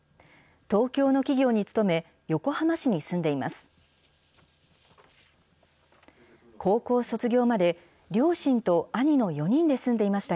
東京の企業に勤め、横浜市に住んでいます。